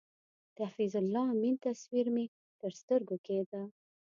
د حفیظ الله امین تصویر مې تر سترګو کېده.